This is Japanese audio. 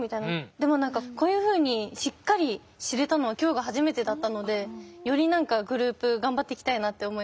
でも何かこういうふうにしっかり知れたのは今日が初めてだったのでより何かグループ頑張っていきたいなって思いました。